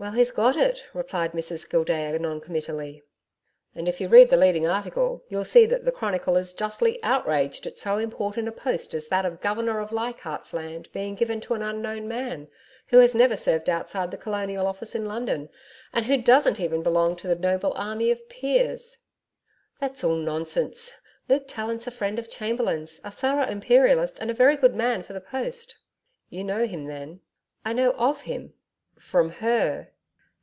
'Well, he's got it,' replied Mrs Gildea noncommittally. 'And if you read the leading article you'll see that the CHRONICLE is justly outraged at so important a post as that of Governor of Leichardt's Land being given to an unknown man who has never served outside the Colonial Office in London and who doesn't even belong to the noble army of Peers.' 'That's all nonsense. Luke Tallant's a friend of Chamberlain's, a thorough Imperialist and a very good man for the post.' 'You know him then?' 'I know OF him.' 'From HER?'